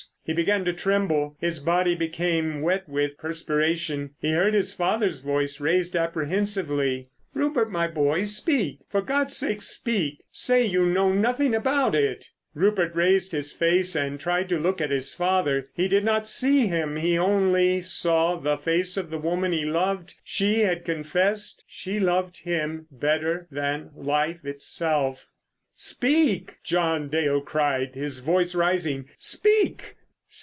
He began to tremble. His body became wet with perspiration. He heard his father's voice raised apprehensively. "Rupert, my boy. Speak, for God's sake, speak! Say you know nothing about it." Rupert raised his face and tried to look at his father. He did not see him; he only saw the face of the woman he loved. She had confessed she loved him better than life itself. "Speak!" John Dale cried, his voice rising. "Speak!"